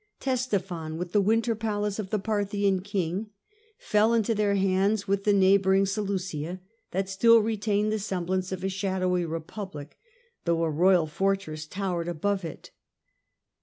Ctesiphon, with the winter palace of the Parthian king, fell into their hands, with the neighbouring Seleucia, that still retained the semblance of a shadowy republic, though a royal fortress towered above it.